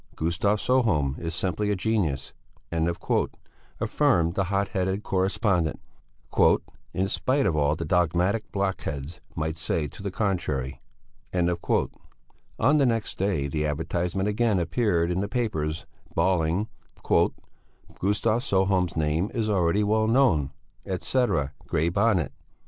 "Gustav Sjöholm is simply a genius," affirmed the hot headed correspondent, "in spite of all that dogmatic blockheads might say to the contrary." On the next day the advertisement again appeared in all the papers, bawling: "Gustav Sjöholm's name is already well known, etc. (Grey Bonnet)."